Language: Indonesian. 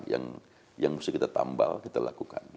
yang mesti kita tambal kita lakukan